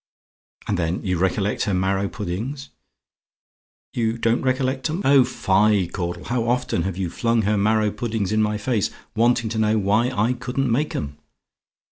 "And then you recollect her marrow puddings? "YOU DON'T RECOLLECT 'EM? "Oh, fie! Caudle, how often have you flung her marrow puddings in my face, wanting to know why I couldn't make 'em?